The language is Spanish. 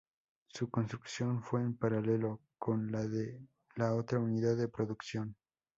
Su construcción fue en paralelo con la de la otra unidad de producción.